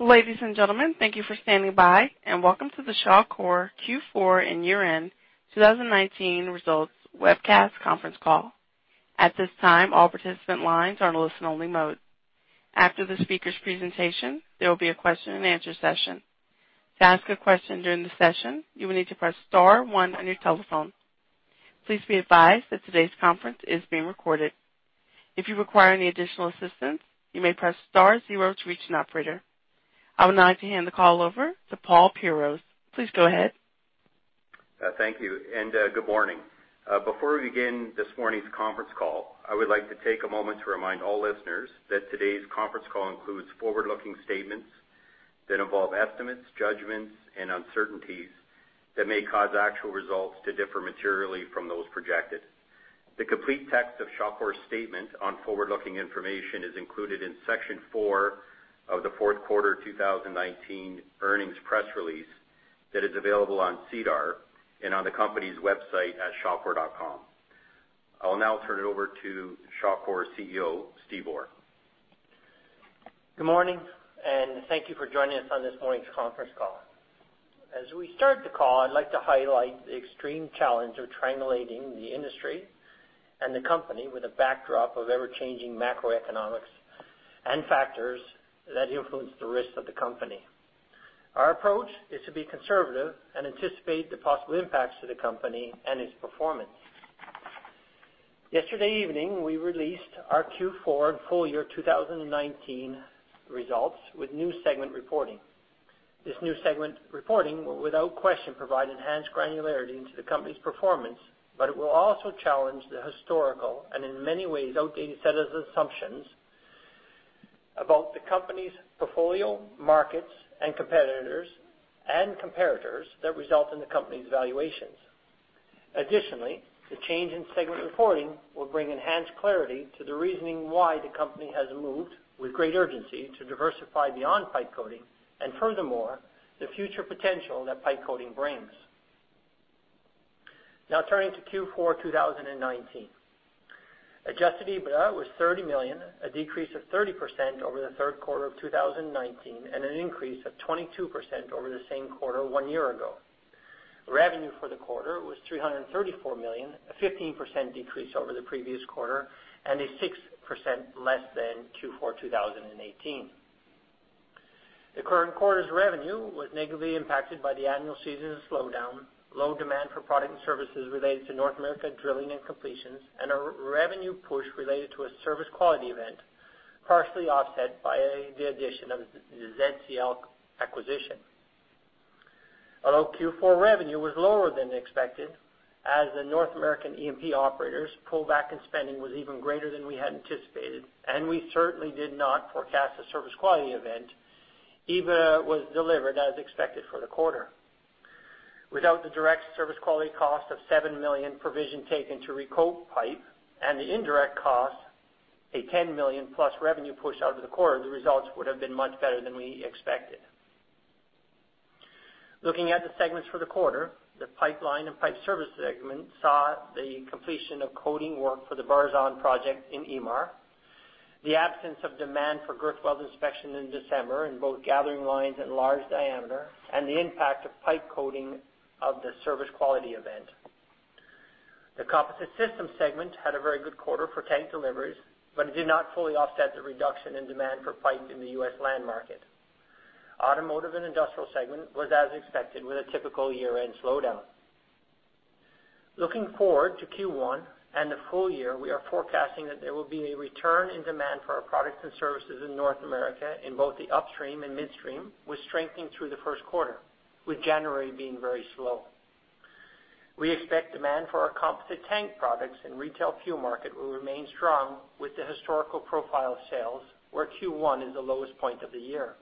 Ladies and gentlemen, thank you for standing by and welcome to the Shawcor Q4 and Year End 2019 Results Webcast Conference Call. At this time, all participant lines are in a listen-only mode. After the speaker's presentation, there will be a question-and-answer session. To ask a question during the session, you will need to press star one on your telephone. Please be advised that today's conference is being recorded. If you require any additional assistance, you may press star zero to reach an operator. I would now like to hand the call over to Paul Pierroz. Please go ahead. Thank you, and good morning. Before we begin this morning's conference call, I would like to take a moment to remind all listeners that today's conference call includes forward-looking statements that involve estimates, judgments, and uncertainties that may cause actual results to differ materially from those projected. The complete text of Shawcor's statement on forward-looking information is included in section four of the fourth quarter 2019 earnings press release that is available on SEDAR and on the company's website at shawcor.com. I'll now turn it over to Shawcor's CEO, Steve Orr. Good morning, and thank you for joining us on this morning's conference call. As we start the call, I'd like to highlight the extreme challenge of triangulating the industry and the company with a backdrop of ever-changing macroeconomics and factors that influence the risk of the company. Our approach is to be conservative and anticipate the possible impacts to the company and its performance. Yesterday evening, we released our Q4 and full year 2019 results with new segment reporting. This new segment reporting will, without question, provide enhanced granularity into the company's performance, but it will also challenge the historical and, in many ways, outdated set of assumptions about the company's portfolio, markets, and competitors that result in the company's valuations. Additionally, the change in segment reporting will bring enhanced clarity to the reasoning why the company has moved with great urgency to diversify beyond pipe coating and, furthermore, the future potential that pipe coating brings. Now, turning to Q4 2019, Adjusted EBITDA was 30 million, a decrease of 30% over the third quarter of 2019, and an increase of 22% over the same quarter one year ago. Revenue for the quarter was 334 million, a 15% decrease over the previous quarter, and a 6% less than Q4 2018. The current quarter's revenue was negatively impacted by the annual season slowdown, low demand for product and services related to North America drilling and completions, and a revenue push related to a service quality event, partially offset by the addition of the ZCL acquisition. Although Q4 revenue was lower than expected, as the North American E&P operators' pullback in spending was even greater than we had anticipated, and we certainly did not forecast a service quality event, EBITDA was delivered as expected for the quarter. Without the direct service quality cost of 7 million provision taken to recoat pipe and the indirect cost, a 10 million+ revenue push out of the quarter, the results would have been much better than we expected. Looking at the segments for the quarter, the pipeline and pipe service segment saw the completion of coating work for the Barzan project in EMEA, the absence of demand for girth weld inspection in December in both gathering lines and large diameter, and the impact of pipe coating of the service quality event. The composite system segment had a very good quarter for tank deliveries, but it did not fully offset the reduction in demand for pipe in the U.S. land market. Automotive and industrial segment was as expected with a typical year-end slowdown. Looking forward to Q1 and the full year, we are forecasting that there will be a return in demand for our products and services in North America in both the upstream and midstream, with strengthening through the first quarter, with January being very slow. We expect demand for our composite tank products and retail fuel market will remain strong with the historical profile of sales, where Q1 is the lowest point of the year.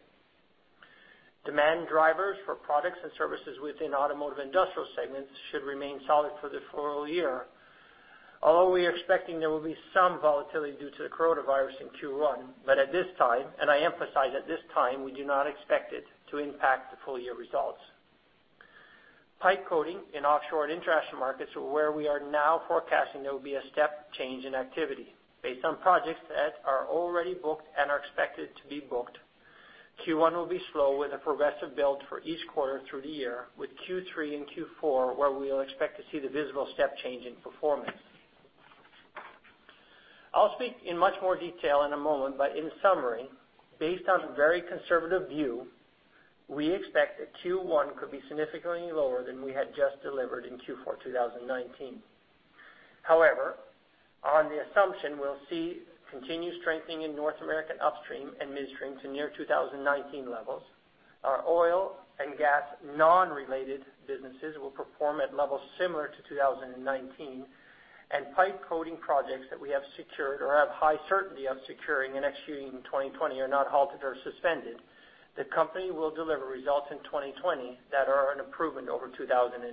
Demand drivers for products and services within automotive industrial segments should remain solid for the full year, although we are expecting there will be some volatility due to the coronavirus in Q1. But at this time, and I emphasize at this time, we do not expect it to impact the full year results. Pipe coating in offshore international markets are where we are now forecasting there will be a step change in activity. Based on projects that are already booked and are expected to be booked, Q1 will be slow with a progressive build for each quarter through the year, with Q3 and Q4 where we will expect to see the visible step change in performance. I'll speak in much more detail in a moment, but in summary, based on a very conservative view, we expect that Q1 could be significantly lower than we had just delivered in Q4 2019. However, on the assumption we'll see continued strengthening in North American upstream and midstream to near 2019 levels, our oil and gas non-related businesses will perform at levels similar to 2019, and pipe coating projects that we have secured or have high certainty of securing and executing in 2020 are not halted or suspended. The company will deliver results in 2020 that are an improvement over 2019.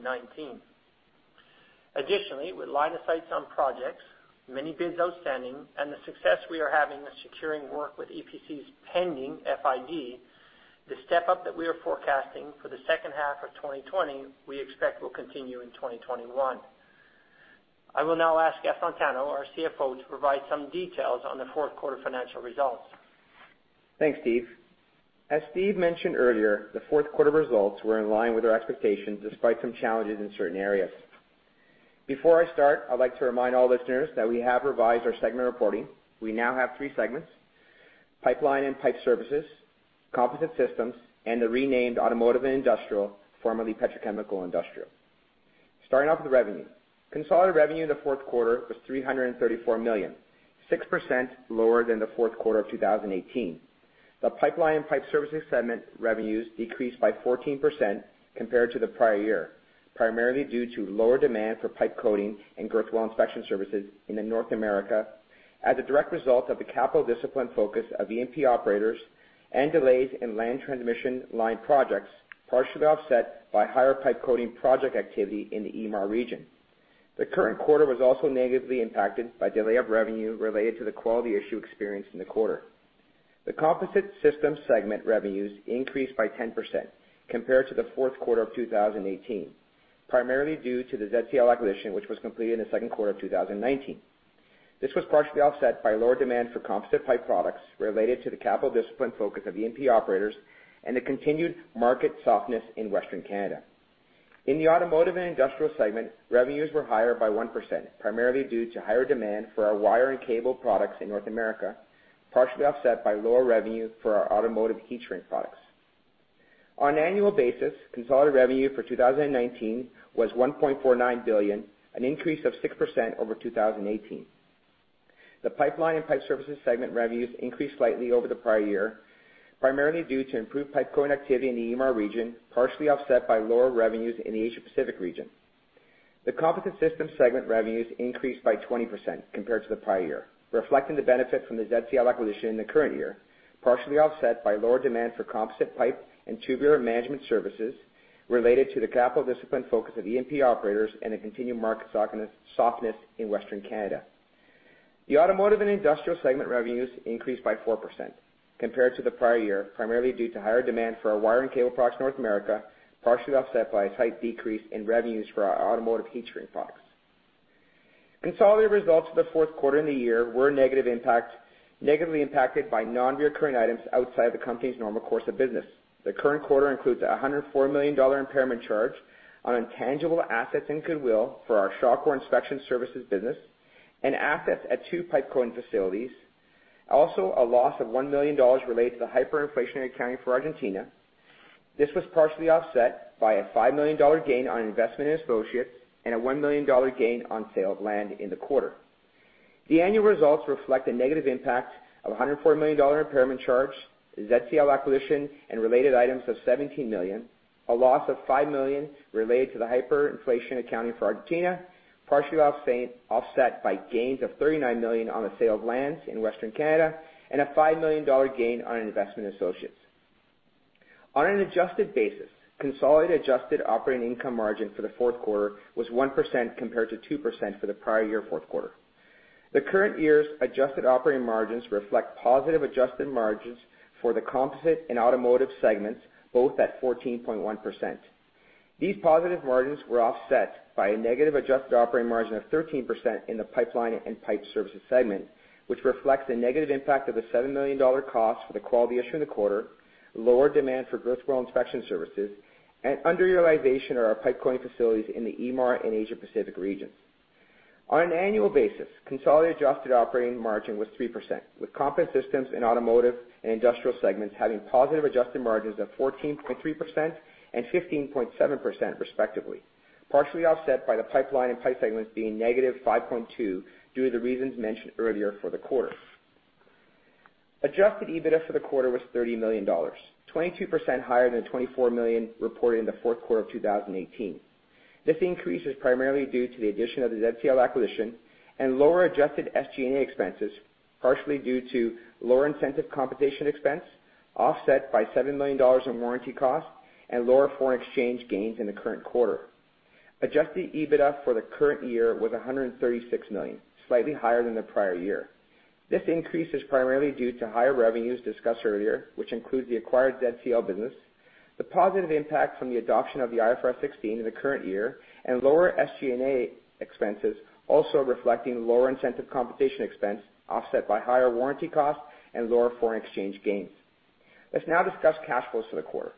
Additionally, with line of sight on projects, many bids outstanding, and the success we are having in securing work with EPCs pending FID, the step up that we are forecasting for the second half of 2020 we expect will continue in 2021. I will now ask Gaston Tano, our CFO, to provide some details on the fourth quarter financial results. Thanks, Steve. As Steve mentioned earlier, the fourth quarter results were in line with our expectations despite some challenges in certain areas. Before I start, I'd like to remind all listeners that we have revised our segment reporting. We now have three segments: pipeline and pipe services, composite systems, and the renamed automotive and industrial, formerly petrochemical industrial. Starting off with revenue, consolidated revenue in the fourth quarter was 334 million, 6% lower than the fourth quarter of 2018. The pipeline and pipe services segment revenues decreased by 14% compared to the prior year, primarily due to lower demand for pipe coating and girth weld inspection services in North America as a direct result of the capital discipline focus of E&P operators and delays in land transmission line projects, partially offset by higher pipe coating project activity in the EMEA region. The current quarter was also negatively impacted by delay of revenue related to the quality issue experienced in the quarter. The composite system segment revenues increased by 10% compared to the fourth quarter of 2018, primarily due to the ZCL acquisition, which was completed in the second quarter of 2019. This was partially offset by lower demand for composite pipe products related to the capital discipline focus of E&P operators and the continued market softness in Western Canada. In the automotive and industrial segment, revenues were higher by 1%, primarily due to higher demand for our wire and cable products in North America, partially offset by lower revenue for our automotive heat shrink products. On an annual basis, consolidated revenue for 2019 was 1.49 billion, an increase of 6% over 2018. The pipeline and pipe services segment revenues increased slightly over the prior year, primarily due to improved pipe coating activity in the EMEA region, partially offset by lower revenues in the Asia Pacific region. The composite system segment revenues increased by 20% compared to the prior year, reflecting the benefit from the ZCL acquisition in the current year, partially offset by lower demand for composite pipe and tubular management services related to the capital discipline focus of E&P operators and the continued market softness in Western Canada. The automotive and industrial segment revenues increased by 4% compared to the prior year, primarily due to higher demand for our wire and cable products in North America, partially offset by a slight decrease in revenues for our automotive heat shrink products. Consolidated results for the fourth quarter in the year were negatively impacted by non-recurring items outside of the company's normal course of business. The current quarter includes a $104 million impairment charge on intangible assets and goodwill for our Shawcor's inspection services business and assets at two pipe coating facilities. Also, a loss of $1 million related to the hyperinflationary accounting for Argentina. This was partially offset by a $5 million gain on investment in associates and a $1 million gain on sale of land in the quarter. The annual results reflect a negative impact of a $104 million impairment charge, ZCL acquisition and related items of $17 million, a loss of $5 million related to the hyperinflationary accounting for Argentina, partially offset by gains of $39 million on the sale of lands in Western Canada, and a $5 million gain on investment in associates. On an adjusted basis, consolidated adjusted operating income margin for the fourth quarter was 1% compared to 2% for the prior year fourth quarter. The current year's adjusted operating margins reflect positive adjusted margins for the composite and automotive segments, both at 14.1%. These positive margins were offset by a negative adjusted operating margin of 13% in the pipeline and pipe services segment, which reflects the negative impact of the $7 million cost for the quality issue in the quarter, lower demand for girth weld inspection services, and underutilization of our pipe coating facilities in the EMEA and Asia Pacific regions. On an annual basis, consolidated adjusted operating margin was 3%, with composite systems in automotive and industrial segments having positive adjusted margins of 14.3% and 15.7% respectively, partially offset by the pipeline and pipe segments being negative 5.2% due to the reasons mentioned earlier for the quarter. Adjusted EBITDA for the quarter was 30 million dollars, 22% higher than the 24 million reported in the fourth quarter of 2018. This increase is primarily due to the addition of the ZCL acquisition and lower adjusted SG&A expenses, partially due to lower incentive compensation expense, offset by 7 million dollars in warranty cost and lower foreign exchange gains in the current quarter. Adjusted EBITDA for the current year was 136 million, slightly higher than the prior year. This increase is primarily due to higher revenues discussed earlier, which includes the acquired ZCL business, the positive impact from the adoption of the IFRS 16 in the current year, and lower SG&A expenses, also reflecting lower incentive compensation expense, offset by higher warranty cost and lower foreign exchange gains. Let's now discuss cash flows for the quarter.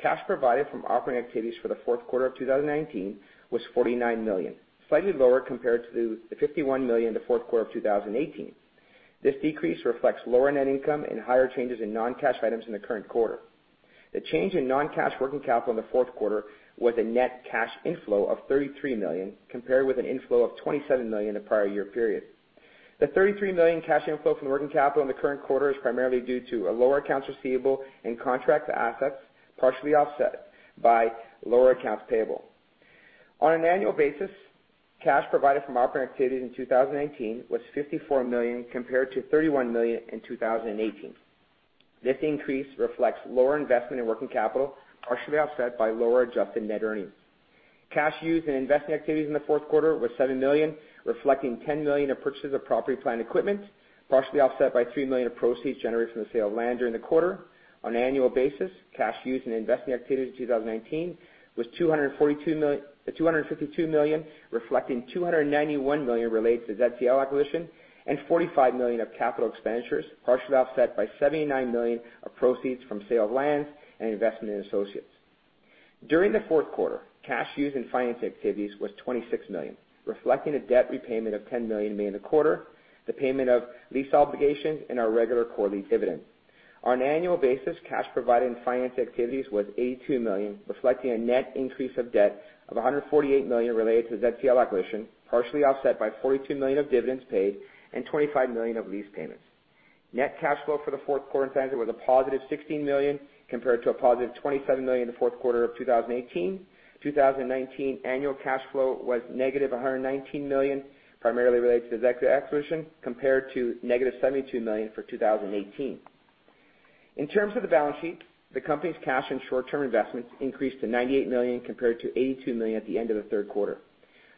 Cash provided from operating activities for the fourth quarter of 2019 was $49 million, slightly lower compared to the $51 million in the fourth quarter of 2018. This decrease reflects lower net income and higher changes in non-cash items in the current quarter. The change in non-cash working capital in the fourth quarter was a net cash inflow of $33 million compared with an inflow of $27 million in the prior year period. The $33 million cash inflow from working capital in the current quarter is primarily due to lower accounts receivable and contract assets, partially offset by lower accounts payable. On an annual basis, cash provided from operating activities in 2019 was $54 million compared to $31 million in 2018. This increase reflects lower investment in working capital, partially offset by lower adjusted net earnings. Cash used in investment activities in the fourth quarter was $7 million, reflecting $10 million of purchases of property, plant, and equipment, partially offset by $3 million of proceeds generated from the sale of land during the quarter. On an annual basis, cash used in investment activities in 2019 was $252 million, reflecting $291 million related to ZCL acquisition and $45 million of capital expenditures, partially offset by $79 million of proceeds from sale of lands and investment in associates. During the fourth quarter, cash used in financing activities was $26 million, reflecting a debt repayment of $10 million made in the quarter, the payment of lease obligations, and our regular quarterly dividend. On an annual basis, cash provided by financing activities was $82 million, reflecting a net increase of debt of $148 million related to ZCL acquisition, partially offset by $42 million of dividends paid and $25 million of lease payments. Net cash flow for the fourth quarter in financing was a positive $16 million compared to a positive $27 million in the fourth quarter of 2018. 2019 annual cash flow was negative $119 million, primarily related to ZCL acquisition, compared to negative $72 million for 2018. In terms of the balance sheet, the company's cash and short-term investments increased to $98 million compared to $82 million at the end of the third quarter.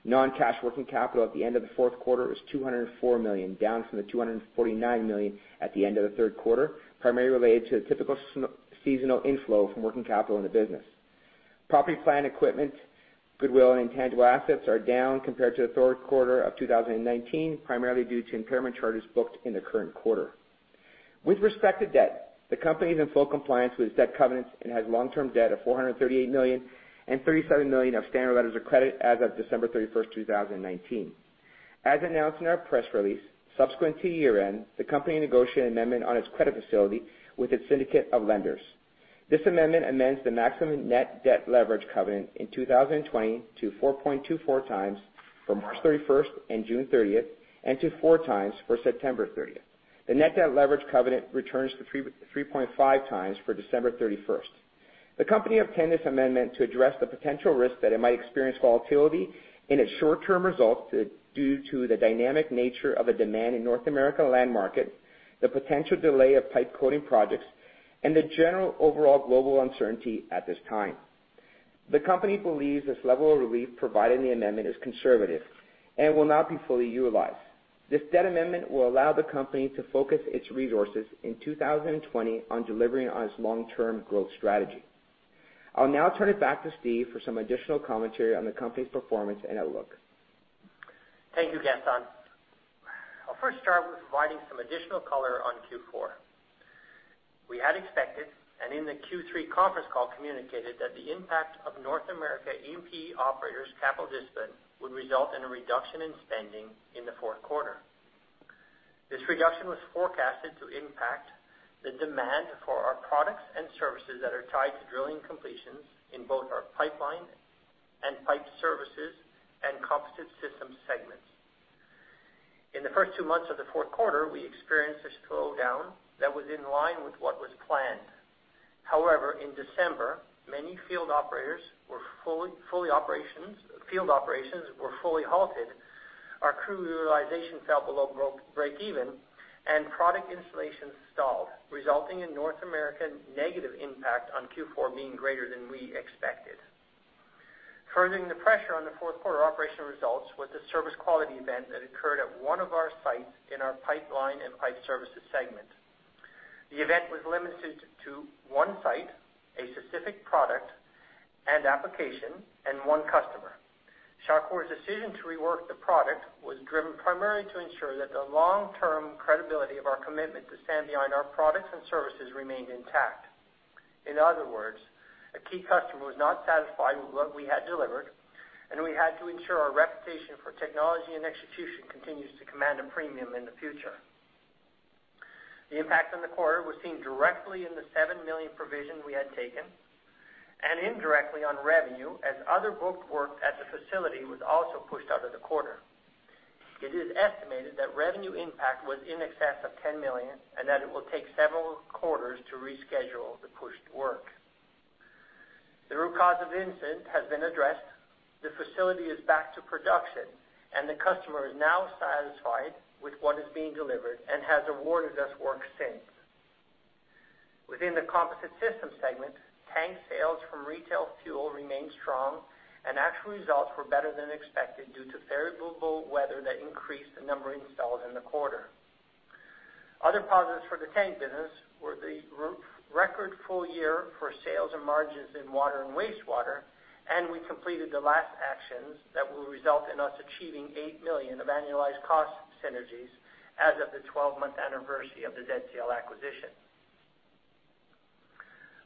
Non-cash working capital at the end of the fourth quarter was $204 million, down from the $249 million at the end of the third quarter, primarily related to the typical seasonal inflow from working capital in the business. Property, plant, equipment, goodwill, and intangible assets are down compared to the third quarter of 2019, primarily due to impairment charges booked in the current quarter. With respect to debt, the company is in full compliance with its debt covenants and has long-term debt of $438 million and $37 million of standard letters of credit as of December 31st, 2019. As announced in our press release, subsequent to year-end, the company negotiated an amendment on its credit facility with its syndicate of lenders. This amendment amends the maximum net debt leverage covenant in 2020 to 4.24x for March 31st and June 30th, and to 4x for September 30th. The net debt leverage covenant returns to 3.5x for December 31st. The company obtained this amendment to address the potential risk that it might experience volatility in its short-term results due to the dynamic nature of the demand in North America land market, the potential delay of pipe coating projects, and the general overall global uncertainty at this time. The company believes this level of relief provided in the amendment is conservative and will not be fully utilized. This debt amendment will allow the company to focus its resources in 2020 on delivering on its long-term growth strategy. I'll now turn it back to Steve for some additional commentary on the company's performance and outlook. Thank you, Gaston. I'll first start with providing some additional color on Q4. We had expected and in the Q3 conference call communicated that the impact of North America E&P operators' capital discipline would result in a reduction in spending in the fourth quarter. This reduction was forecasted to impact the demand for our products and services that are tied to drilling completions in both our pipeline and pipe services and composite system segments. In the first two months of the fourth quarter, we experienced a slowdown that was in line with what was planned. However, in December, many field operations were fully halted, our crew utilization fell below break-even, and product installations stalled, resulting in North America negative impact on Q4 being greater than we expected. Furthering the pressure on the fourth quarter operational results was the service quality event that occurred at one of our sites in our pipeline and pipe services segment. The event was limited to one site, a specific product and application, and one customer. Shawcor's decision to rework the product was driven primarily to ensure that the long-term credibility of our commitment to stand behind our products and services remained intact. In other words, a key customer was not satisfied with what we had delivered, and we had to ensure our reputation for technology and execution continues to command a premium in the future. The impact on the quarter was seen directly in the $7 million provision we had taken and indirectly on revenue as other booked work at the facility was also pushed out of the quarter. It is estimated that revenue impact was in excess of $10 million and that it will take several quarters to reschedule the pushed work. The root cause of incident has been addressed, the facility is back to production, and the customer is now satisfied with what is being delivered and has awarded us work since. Within the composite system segment, tank sales from retail fuel remained strong, and actual results were better than expected due to favorable weather that increased the number of installs in the quarter. Other positives for the tank business were the record full year for sales and margins in water and wastewater, and we completed the last actions that will result in us achieving $8 million of annualized cost synergies as of the 12-month anniversary of the ZCL acquisition.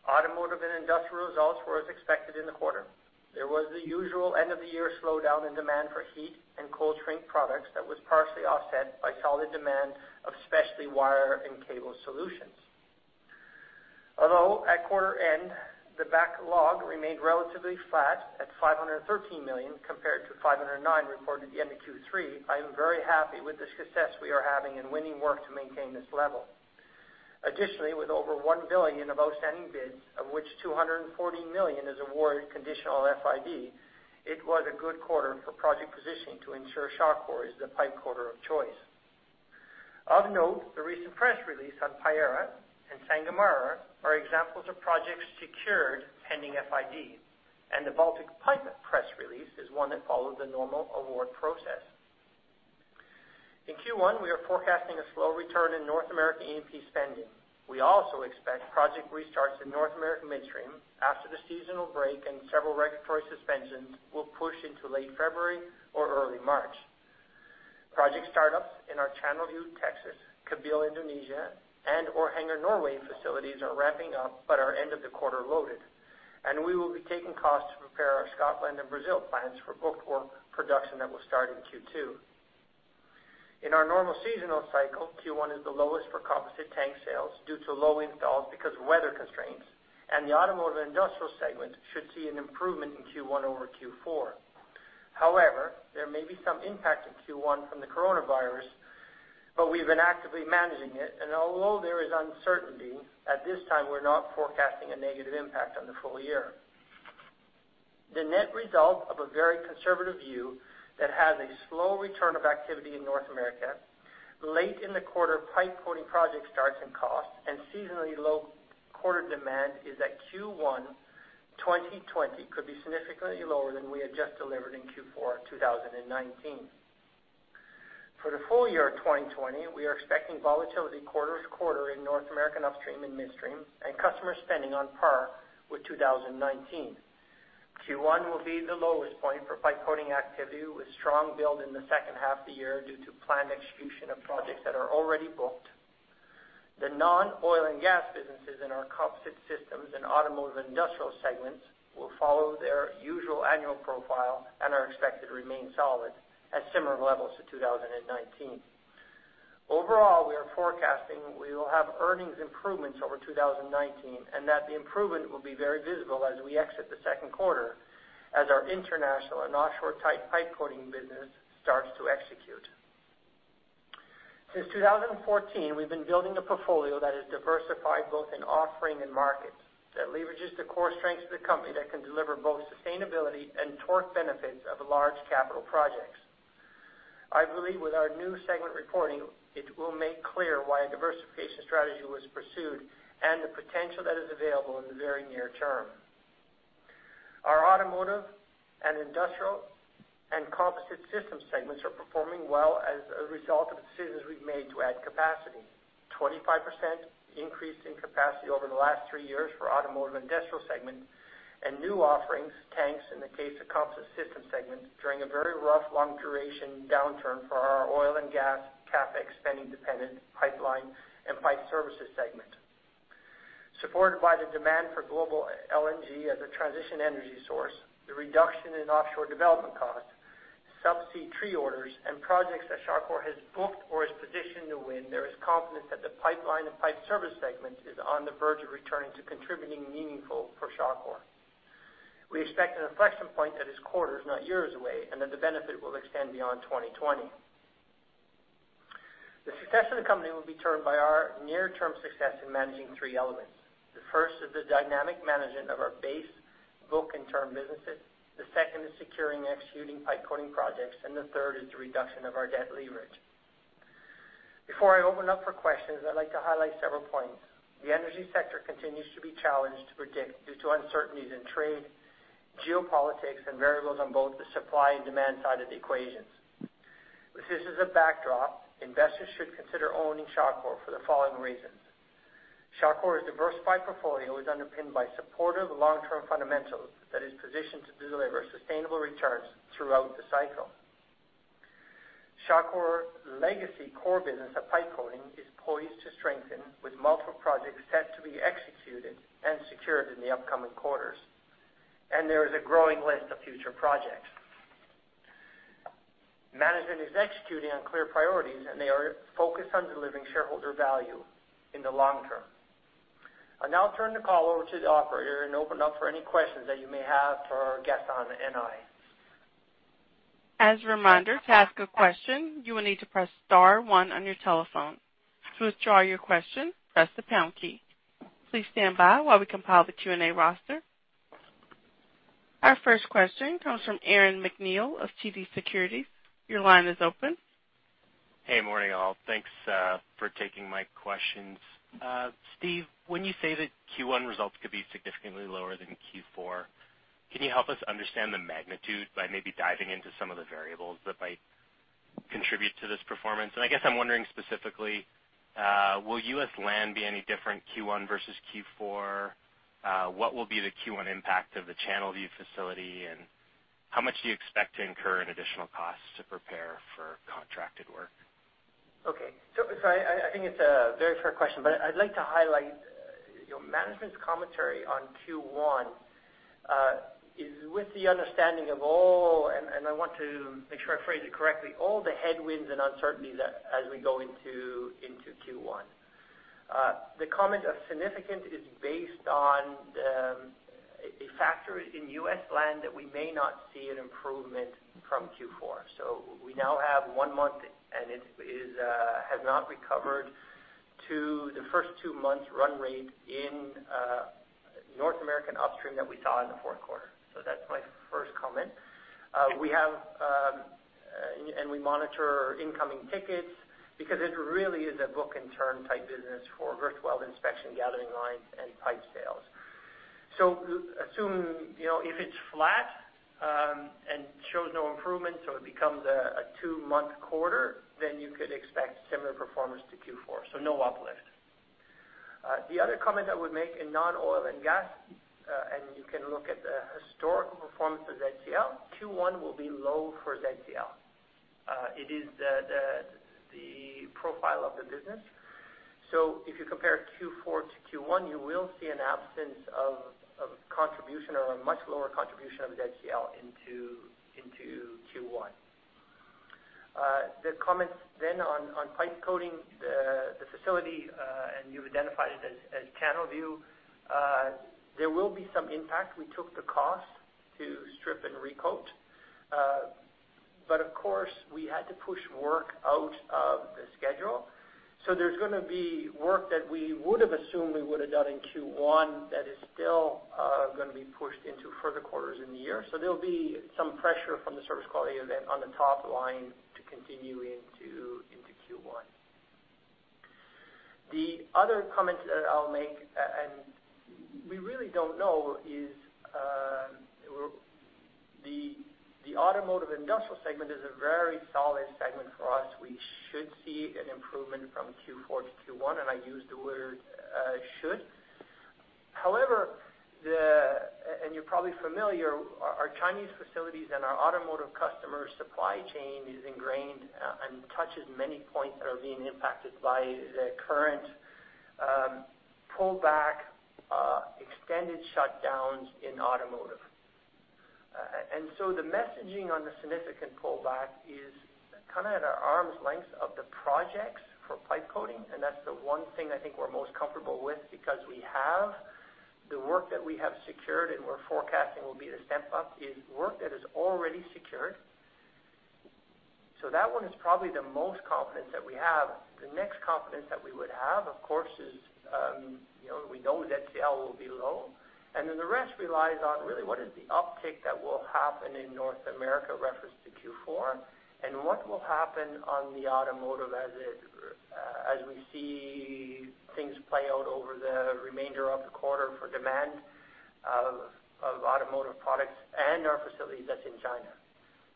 Automotive and industrial results were as expected in the quarter. There was the usual end-of-the-year slowdown in demand for heat and cold-shrink products that was partially offset by solid demand of especially wire and cable solutions. Although at quarter end, the backlog remained relatively flat at $513 million compared to $509 million reported at the end of Q3, I am very happy with the success we are having and winning work to maintain this level. Additionally, with over $1 billion of outstanding bids, of which $240 million is awarded conditional FID, it was a good quarter for project positioning to ensure Shawcor is the pipe coater of choice. Of note, the recent press release on Payara and Sangomar are examples of projects secured pending FID, and the Baltic Pipe press release is one that followed the normal award process. In Q1, we are forecasting a slow return in North America E&P spending. We also expect project restarts in North America midstream after the seasonal break and several regulatory suspensions will push into late February or early March. Project startups in our Channelview, Texas, Kabil, Indonesia, and/or Orkanger, Norway facilities are ramping up but are end-of-the-quarter loaded, and we will be taking costs to prepare our Scotland and Brazil plants for booked work production that will start in Q2. In our normal seasonal cycle, Q1 is the lowest for composite tank sales due to low installs because of weather constraints, and the automotive and industrial segment should see an improvement in Q1 over Q4. However, there may be some impact in Q1 from the coronavirus, but we've been actively managing it, and although there is uncertainty, at this time we're not forecasting a negative impact on the full year. The net result of a very conservative view that has a slow return of activity in North America, late in the quarter pipe coating project starts and costs, and seasonally low quarter demand is that Q1 2020 could be significantly lower than we had just delivered in Q4 2019. For the full year of 2020, we are expecting volatility quarter to quarter in North America upstream and midstream and customer spending on par with 2019. Q1 will be the lowest point for pipe coating activity with strong build in the second half of the year due to planned execution of projects that are already booked. The non-oil and gas businesses in our composite systems and automotive industrial segments will follow their usual annual profile and are expected to remain solid at similar levels to 2019. Overall, we are forecasting we will have earnings improvements over 2019 and that the improvement will be very visible as we exit the second quarter as our international and offshore-type pipe coating business starts to execute. Since 2014, we've been building a portfolio that is diversified both in offering and markets that leverages the core strengths of the company that can deliver both sustainability and torque benefits of large capital projects. I believe with our new segment reporting, it will make clear why a diversification strategy was pursued and the potential that is available in the very near term. Our automotive and industrial and composite system segments are performing well as a result of the decisions we've made to add capacity: 25% increase in capacity over the last three years for automotive industrial segment and new offerings, tanks in the case of composite system segment during a very rough long-duration downturn for our oil and gas, CapEx spending-dependent pipeline and pipe services segment. Supported by the demand for global LNG as a transition energy source, the reduction in offshore development costs, subsea tree orders, and projects that Shawcor has booked or is positioned to win, there is confidence that the pipeline and pipe service segment is on the verge of returning to contributing meaningful for Shawcor. We expect an inflection point that is quarters, not years away, and that the benefit will extend beyond 2020. The success of the company will be termed by our near-term success in managing three elements. The first is the dynamic management of our base book and term businesses. The second is securing and executing pipe coating projects, and the third is the reduction of our debt leverage. Before I open up for questions, I'd like to highlight several points. The energy sector continues to be challenged to predict due to uncertainties in trade, geopolitics, and variables on both the supply and demand side of the equations. With this as a backdrop, investors should consider owning Shawcor for the following reasons. Shawcor's diversified portfolio is underpinned by supportive long-term fundamentals that is positioned to deliver sustainable returns throughout the cycle. Shawcor's legacy core business of pipe coating is poised to strengthen with multiple projects set to be executed and secured in the upcoming quarters, and there is a growing list of future projects. Management is executing on clear priorities, and they are focused on delivering shareholder value in the long term. I'll now turn the call over to the operator and open up for any questions that you may have for Gaston and I. As a reminder to ask a question, you will need to press star one on your telephone. To withdraw your question, press the pound key. Please stand by while we compile the Q&A roster. Our first question comes from Aaron MacNeil of TD Securities. Your line is open. Hey, morning all. Thanks for taking my questions. Steve, when you say that Q1 results could be significantly lower than Q4, can you help us understand the magnitude by maybe diving into some of the variables that might contribute to this performance? I guess I'm wondering specifically, will U.S. land be any different Q1 versus Q4? What will be the Q1 impact of the Channelview facility, and how much do you expect to incur in additional costs to prepare for contracted work? Okay. So I think it's a very fair question, but I'd like to highlight management's commentary on Q1 is with the understanding of all, and I want to make sure I phrase it correctly, all the headwinds and uncertainties as we go into Q1. The comment of significance is based on a factor in U.S. land that we may not see an improvement from Q4. So we now have one month, and it has not recovered to the first two months' run rate in North America upstream that we saw in the fourth quarter. So that's my first comment. We have, and we monitor incoming tickets because it really is a book-and-turn type business for virtual inspection gathering lines and pipe sales. So assume if it's flat and shows no improvement, so it becomes a two-month quarter, then you could expect similar performance to Q4. So no uplift. The other comment I would make in non-oil and gas, and you can look at the historical performance of ZCL. Q1 will be low for ZCL. It is the profile of the business. So if you compare Q4 to Q1, you will see an absence of contribution or a much lower contribution of ZCL into Q1. The comments then on pipe coating, the facility, and you've identified it as Channelview, there will be some impact. We took the cost to strip and recoat, but of course, we had to push work out of the schedule. So there's going to be work that we would have assumed we would have done in Q1 that is still going to be pushed into further quarters in the year. So there'll be some pressure from the service quality event on the top line to continue into Q1. The other comment that I'll make, and we really don't know, is the automotive industrial segment is a very solid segment for us. We should see an improvement from Q4 to Q1, and I use the word should. However, and you're probably familiar, our Chinese facilities and our automotive customer supply chain is ingrained and touches many points that are being impacted by the current pullback, extended shutdowns in automotive. And so the messaging on the significant pullback is kind of at our arm's length of the projects for pipe coating, and that's the one thing I think we're most comfortable with because we have the work that we have secured, and we're forecasting will be the step up is work that is already secured. So that one is probably the most confidence that we have. The next confidence that we would have, of course, is we know ZCL will be low, and then the rest relies on really what is the uptick that will happen in North America reference to Q4 and what will happen on the automotive as we see things play out over the remainder of the quarter for demand of automotive products and our facilities that's in China.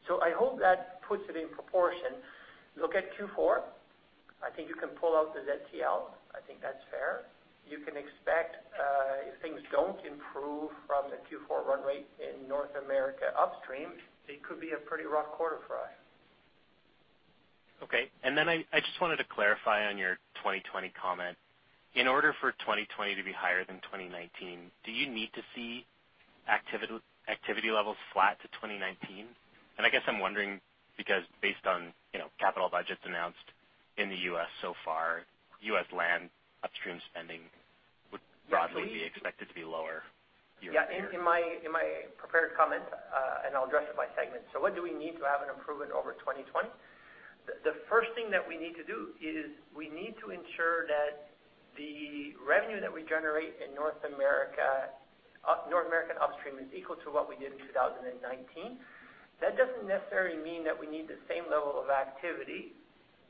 So I hope that puts it in proportion. Look at Q4. I think you can pull out the ZCL. I think that's fair. You can expect if things don't improve from the Q4 run rate in North America upstream, it could be a pretty rough quarter for us. Okay. And then I just wanted to clarify on your 2020 comment. In order for 2020 to be higher than 2019, do you need to see activity levels flat to 2019? And I guess I'm wondering because based on capital budgets announced in the U.S. so far, U.S. land upstream spending would broadly be expected to be lower year-over-year. Yeah. In my prepared comment, and I'll address it by segments. So what do we need to have an improvement over 2020? The first thing that we need to do is we need to ensure that the revenue that we generate in North America upstream is equal to what we did in 2019. That doesn't necessarily mean that we need the same level of activity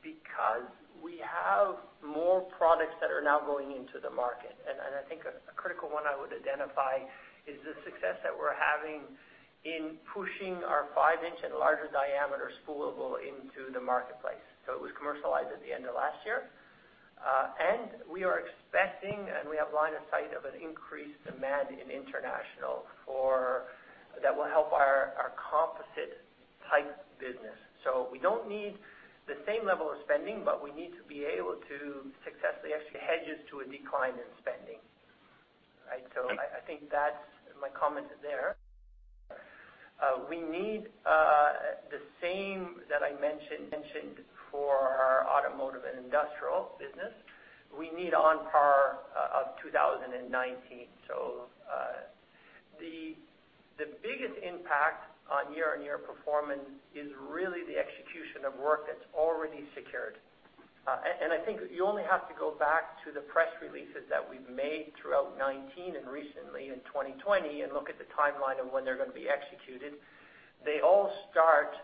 because we have more products that are now going into the market. And I think a critical one I would identify is the success that we're having in pushing our 5-inch and larger diameter spoolable into the marketplace. So it was commercialized at the end of last year, and we are expecting and we have a line of sight of an increased demand in international for that will help our composite type business. So we don't need the same level of spending, but we need to be able to successfully actually hedge us to a decline in spending. Right? So I think that's my comment there. We need the same that I mentioned for our automotive and industrial business. We need on par of 2019. So the biggest impact on year-on-year performance is really the execution of work that's already secured. And I think you only have to go back to the press releases that we've made throughout 2019 and recently in 2020 and look at the timeline of when they're going to be executed. They all start,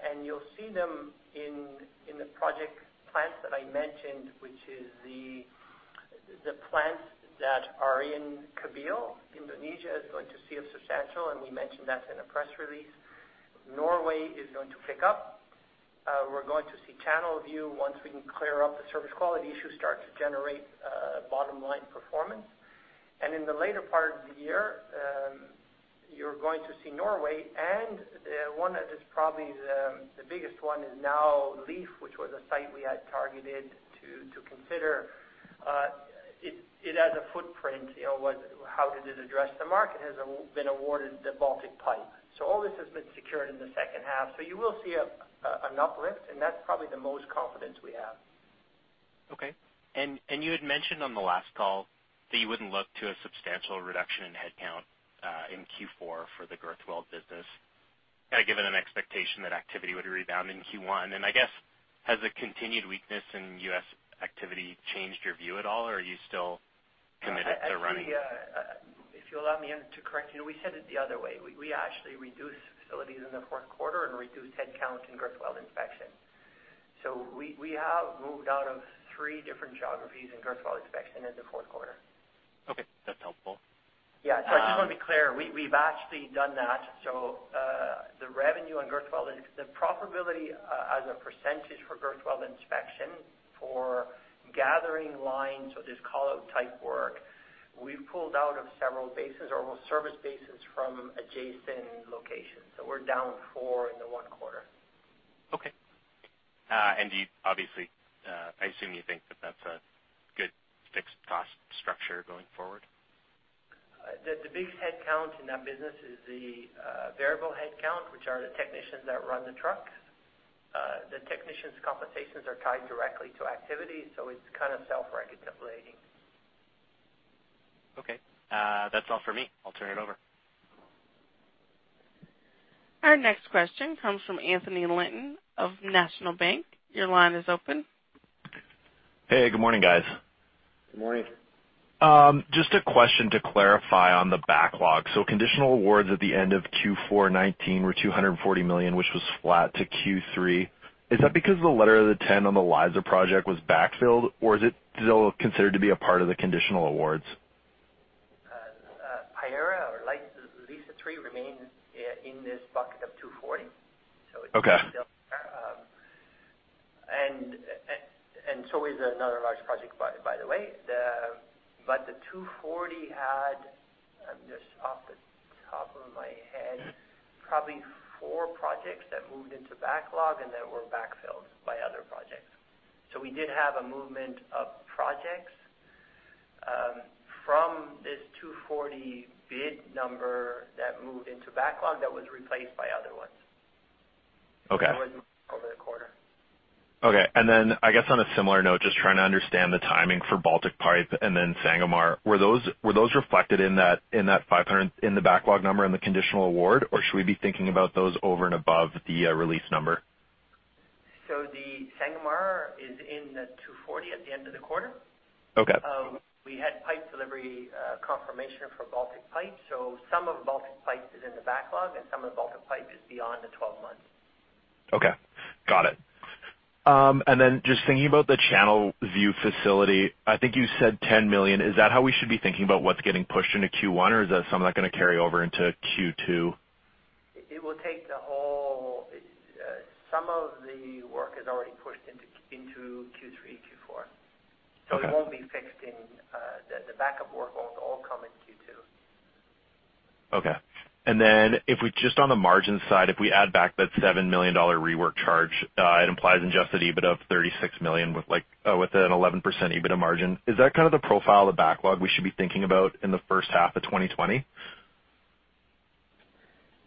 and you'll see them in the project plants that I mentioned, which is the plants that are in Kabil, Indonesia is going to see a substantial, and we mentioned that in a press release. Norway is going to pick up. We're going to see Channelview once we can clear up the service quality issue start to generate bottom-line performance. In the later part of the year, you're going to see Norway, and one that is probably the biggest one is now Leith which was a site we had targeted to consider. It has a footprint. How did it address the market? It has been awarded the Baltic Pipe. All this has been secured in the second half. You will see an uplift, and that's probably the most confidence we have. Okay. And you had mentioned on the last call that you wouldn't look to a substantial reduction in headcount in Q4 for the girth weld business, given an expectation that activity would rebound in Q1. And I guess, has the continued weakness in U.S. activity changed your view at all, or are you still committed to running? If you allow me to correct you, we said it the other way. We actually reduced facilities in the fourth quarter and reduced headcount in girth weld inspection. So we have moved out of three different geographies in girth weld inspection in the fourth quarter. Okay. That's helpful. Yeah. So I just want to be clear. We've actually done that. So the revenue on girth weld, the profitability as a percentage for girth weld inspection for gathering lines, so this callout type work, we've pulled out of several basins or will service basins from adjacent locations. So we're down 4 in the 1 quarter. Okay. And obviously, I assume you think that that's a good fixed cost structure going forward. The biggest headcount in that business is the variable headcount, which are the technicians that run the trucks. The technicians' compensations are tied directly to activity, so it's kind of self-regulated. Okay. That's all for me. I'll turn it over. Our next question comes from Anthony Linton of National Bank. Your line is open. Hey, good morning, guys. Good morning. Just a question to clarify on the backlog. So conditional awards at the end of Q4 2019 were 240 million, which was flat to Q3. Is that because the letter of intent on the Liza project was backfilled, or is it still considered to be a part of the conditional awards? Payara or Liza 3 remains in this bucket of 240. So it's still there. And so is another large project, by the way. But the 240 had, I'm just off the top of my head, probably 4 projects that moved into backlog and that were backfilled by other projects. So we did have a movement of projects from this 240 bid number that moved into backlog that was replaced by other ones. It was over the quarter. Okay. Then I guess on a similar note, just trying to understand the timing for Baltic Pipe and then Sangomar, were those reflected in that 500 in the backlog number and the conditional award, or should we be thinking about those over and above the release number? The Sangomar is in the 240 at the end of the quarter. We had pipe delivery confirmation for Baltic Pipe, so some of Baltic Pipe is in the backlog, and some of the Baltic Pipe is beyond the 12 months. Okay. Got it. And then just thinking about the Channelview facility, I think you said 10 million. Is that how we should be thinking about what's getting pushed into Q1, or is that some of that going to carry over into Q2? It will take the whole. Some of the work is already pushed into Q3, Q4. So it won't be fixed. The backup work won't all come in Q2. Okay. And then if we just on the margin side, if we add back that $7 million rework charge, it implies in just an EBITDA of 36 million with an 11% EBITDA margin. Is that kind of the profile of the backlog we should be thinking about in the first half of 2020?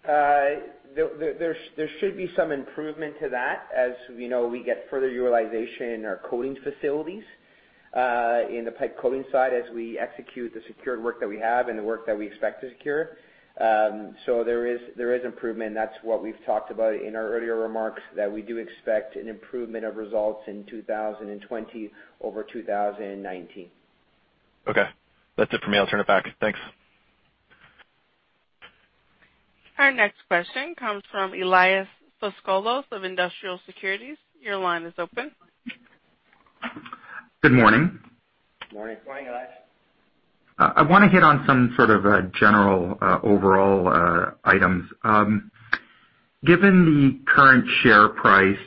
There should be some improvement to that as we get further utilization in our coating facilities in the pipe coating side as we execute the secured work that we have and the work that we expect to secure. There is improvement. That's what we've talked about in our earlier remarks that we do expect an improvement of results in 2020 over 2019. Okay. That's it for me. I'll turn it back. Thanks. Our next question comes from Elias Foscolos of Industrial Alliance Securities. Your line is open. Good morning. Good morning. Good morning, Elias. I want to hit on some sort of general overall items. Given the current share price,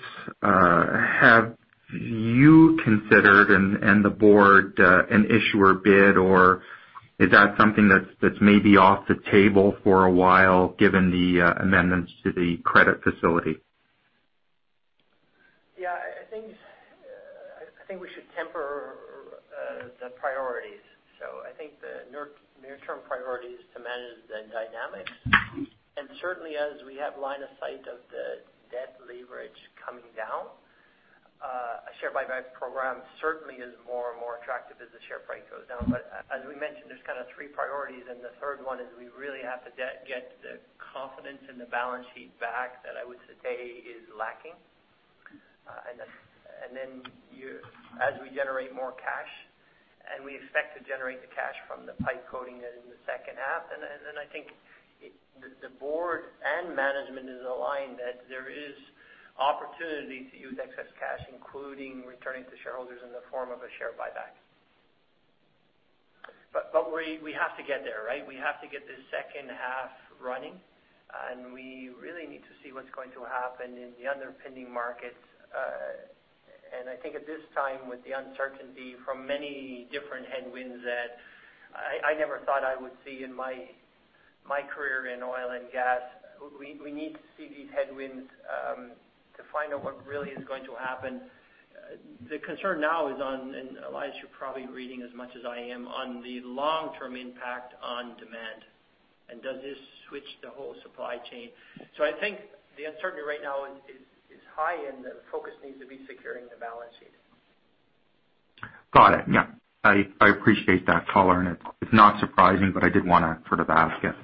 have you considered and the board an issuer bid, or is that something that's maybe off the table for a while given the amendments to the credit facility? Yeah. I think we should temper the priorities. So I think the near-term priority is to manage the dynamics. And certainly, as we have line of sight of the debt leverage coming down, a share buyback program certainly is more and more attractive as the share price goes down. But as we mentioned, there's kind of three priorities, and the third one is we really have to get the confidence in the balance sheet back that I would say is lacking. And then as we generate more cash, and we expect to generate the cash from the pipe coating in the second half, and then I think the board and management is aligned that there is opportunity to use excess cash, including returning to shareholders in the form of a share buyback. But we have to get there, right? We have to get this second half running, and we really need to see what's going to happen in the other pending markets. And I think at this time, with the uncertainty from many different headwinds that I never thought I would see in my career in oil and gas, we need to see these headwinds to find out what really is going to happen. The concern now is on, and Elias you're probably reading as much as I am, on the long-term impact on demand. And does this switch the whole supply chain? So I think the uncertainty right now is high, and the focus needs to be securing the balance sheet. Got it. Yeah. I appreciate that color, and it's not surprising, but I did want to sort of ask it.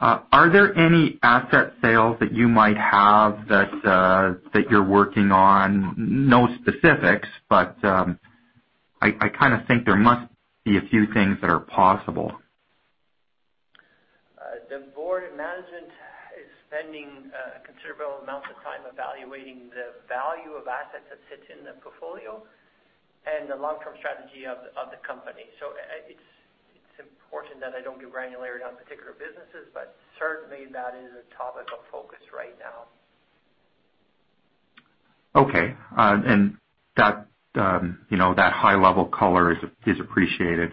Are there any asset sales that you might have that you're working on? No specifics, but I kind of think there must be a few things that are possible. The board and management is spending considerable amounts of time evaluating the value of assets that sit in the portfolio and the long-term strategy of the company. So it's important that I don't get granular on particular businesses, but certainly that is a topic of focus right now. Okay. That high-level color is appreciated.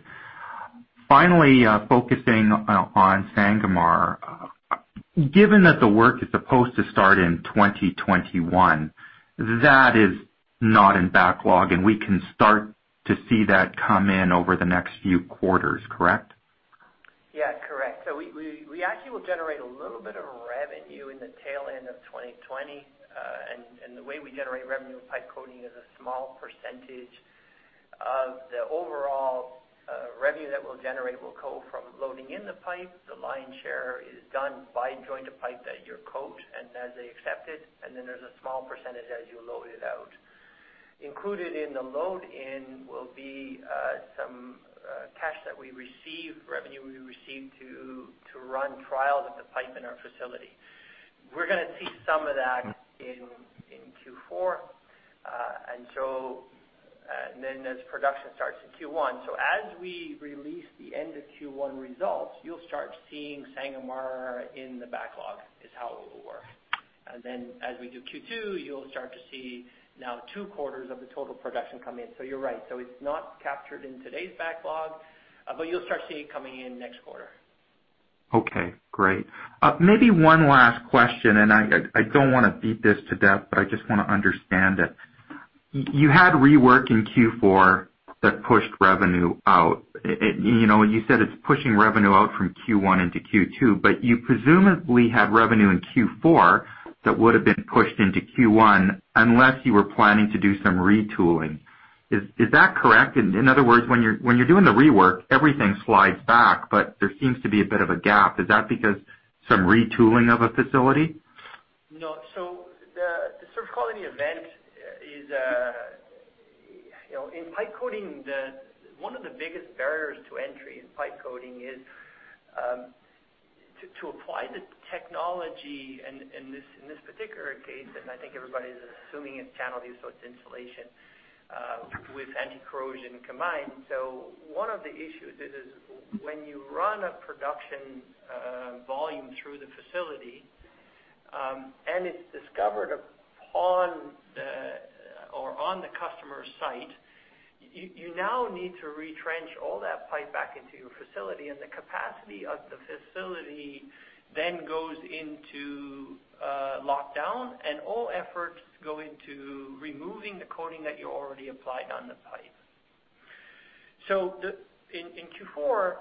Finally, focusing on Sangomar, given that the work is supposed to start in 2021, that is not in backlog, and we can start to see that come in over the next few quarters, correct? Yeah. Correct. So we actually will generate a little bit of revenue in the tail end of 2020, and the way we generate revenue with pipe coating is a small percentage of the overall revenue that we'll generate will come from loading in the pipe. The lion's share is done by joint of pipe that you coat and as they accept it, and then there's a small percentage as you load it out. Included in the load-in will be some cash that we receive, revenue we receive to run trials of the pipe in our facility. We're going to see some of that in Q4, and then as production starts in Q1. So as we release the end of Q1 results, you'll start seeing Sangomar in the backlog. That's how it will work. Then as we do Q2, you'll start to see now two quarters of the total production come in. You're right. It's not captured in today's backlog, but you'll start seeing it coming in next quarter. Okay. Great. Maybe one last question, and I don't want to beat this to death, but I just want to understand it. You had rework in Q4 that pushed revenue out. You said it's pushing revenue out from Q1 into Q2, but you presumably had revenue in Q4 that would have been pushed into Q1 unless you were planning to do some retooling. Is that correct? In other words, when you're doing the rework, everything slides back, but there seems to be a bit of a gap. Is that because some retooling of a facility? No. So the service quality event is in pipe coating, one of the biggest barriers to entry in pipe coating is to apply the technology in this particular case, and I think everybody's assuming it's Channelview, so it's insulation with anti-corrosion combined. So one of the issues is when you run a production volume through the facility and it's discovered upon or on the customer's site, you now need to retrench all that pipe back into your facility, and the capacity of the facility then goes into lockdown, and all efforts go into removing the coating that you already applied on the pipe. So in Q4,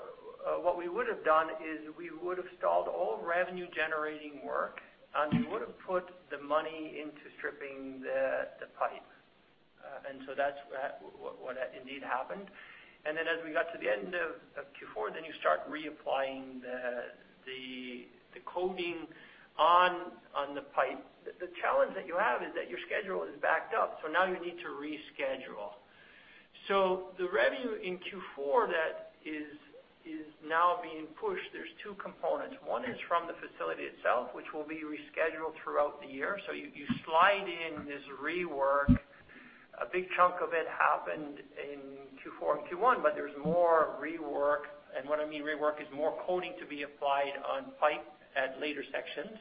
what we would have done is we would have stalled all revenue-generating work, and we would have put the money into stripping the pipe. And so that's what indeed happened. And then as we got to the end of Q4, then you start reapplying the coating on the pipe. The challenge that you have is that your schedule is backed up, so now you need to reschedule. So the revenue in Q4 that is now being pushed, there's two components. One is from the facility itself, which will be rescheduled throughout the year. So you slide in this rework. A big chunk of it happened in Q4 and Q1, but there's more rework. And what I mean rework is more coating to be applied on pipe at later sections.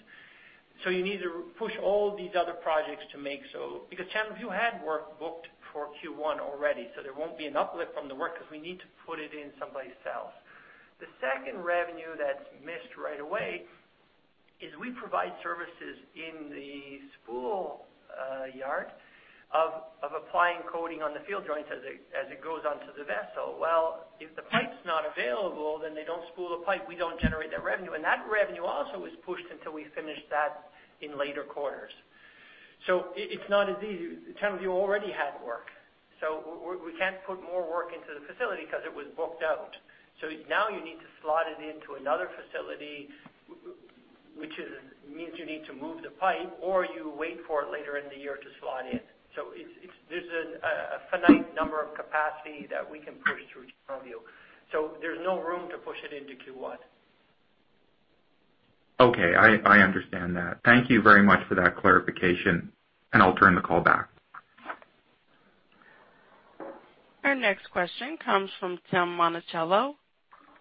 So you need to push all these other projects to make room because Channelview had work booked for Q1 already, so there won't be an uplift from the work because we need to put it in someplace else. The second revenue that's missed right away is we provide services in the spool yard of applying coating on the field joints as it goes onto the vessel. Well, if the pipe's not available, then they don't spool the pipe. We don't generate that revenue. And that revenue also is pushed until we finish that in later quarters. So it's not as easy. Channelview already had work. So we can't put more work into the facility because it was booked out. So now you need to slot it into another facility, which means you need to move the pipe, or you wait for it later in the year to slot in. So there's a finite number of capacity that we can push through Channelview. So there's no room to push it into Q1. Okay. I understand that. Thank you very much for that clarification, and I'll turn the call back. Our next question comes from Tim Monachello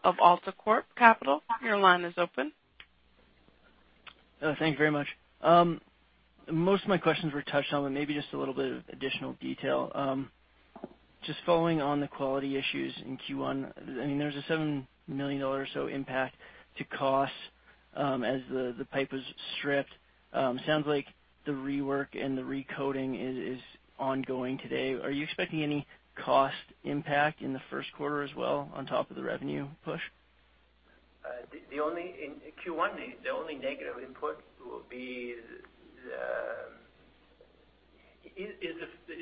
of AltaCorp Capital. Your line is open. Thank you very much. Most of my questions were touched on, but maybe just a little bit of additional detail. Just following on the quality issues in Q1, I mean, there's a $7 million or so impact to cost as the pipe was stripped. Sounds like the rework and the recoating is ongoing today. Are you expecting any cost impact in the first quarter as well on top of the revenue push? In Q1, the only negative input will be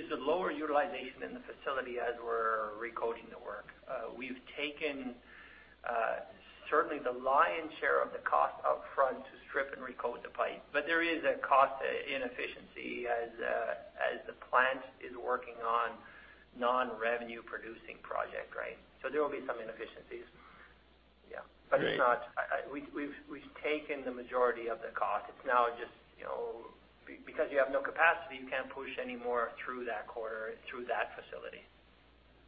the lower utilization in the facility as we're recoating the work. We've taken certainly the lion's share of the cost upfront to strip and recoat the pipe, but there is a cost inefficiency as the plant is working on non-revenue-producing projects, right? So there will be some inefficiencies. Yeah. But it's not we've taken the majority of the cost. It's now just because you have no capacity, you can't push any more through that quarter through that facility.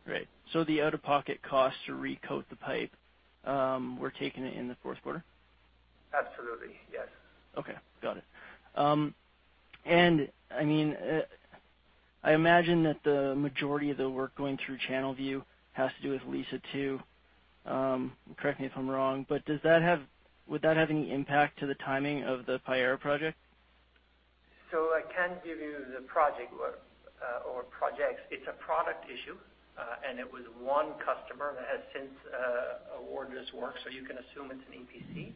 Right. So the out-of-pocket costs to recoat the pipe, we're taking it in the fourth quarter? Absolutely. Yes. Okay. Got it. And I mean, I imagine that the majority of the work going through Channelview has to do with Liza 2. Correct me if I'm wrong, but would that have any impact to the timing of the Payara project? So I can give you the project or projects. It's a product issue, and it was one customer that has since awarded us work, so you can assume it's an EPC.